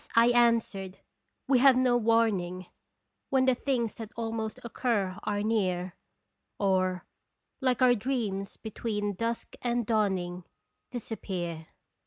I answered, "We have no warning When the things that almost occur are near Or, like our dreams between dusk and dawning, Disappear!"